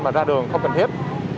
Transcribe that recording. mà ra đường không cần thiết